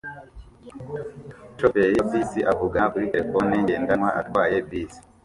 Umushoferi wa bisi avugana kuri terefone ngendanwa atwaye bisi